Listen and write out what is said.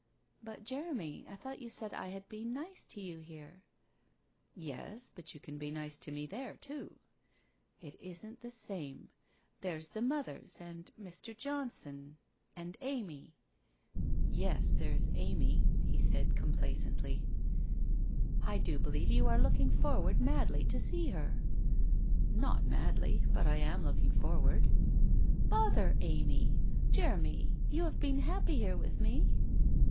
' But, Jeremy, I thought you said I had been nice to you here/ ' Yes, but you can be nice to me there, too.' * It isn't the same. There's the mothers and Mr. John son — and Amy ' 1 Yes, there's Amy,' he said complacently. 316 WHITE ROSE OF WEARY LEAF 217 'I do believe you are looking forward madly to see her?' c Not madly — but I am looking forward.' ' Bother Amy ! Jeremy, you have been happy here with me?'